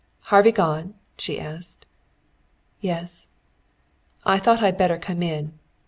"Harvey gone?" she asked. "Yes." "I thought I'd better come in.